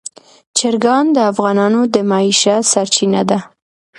چرګان د افغانانو د معیشت سرچینه ده.